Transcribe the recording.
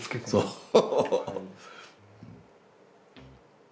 そう。